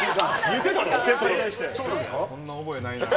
そんな覚えないなぁ。